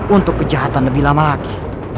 untuk kejahatan lebih lama lagi